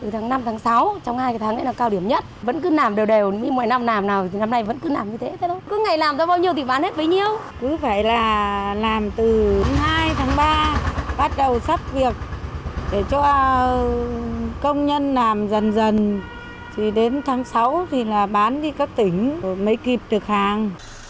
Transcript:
từ hai tháng ba bắt đầu sắp việc để cho công nhân làm dần dần thì đến tháng sáu thì là bán đi các tỉnh mới kịp được hàng